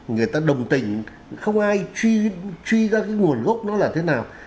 người ta đồng tình không ai truy ra cái nguồn gốc nó là thế nào